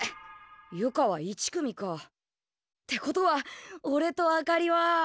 由香は１組か。ってことはおれとあかりは。